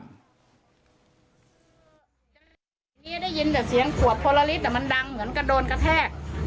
นี้ได้ยินเสียงขวดพอค่อนหลังนี่มันดังเหมือนกระโดนกระแทก